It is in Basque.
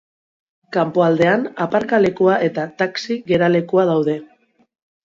Kanpoaldean aparkalekua eta taxi geralekua daude.